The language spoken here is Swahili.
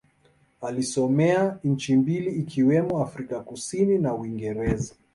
Alisomea nchi mbili ikiwemo Afrika Kusini na Uingereza.